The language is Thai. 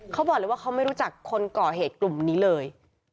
เขาบอกเลยว่าเขาไม่รู้จักคนก่อเหตุกลุ่มนี้เลย